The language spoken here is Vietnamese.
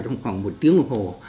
trong khoảng một tiếng đồng hồ